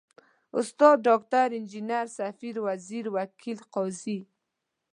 استاد، ډاکټر، انجنیر، ، سفیر، وزیر، وکیل، قاضي ...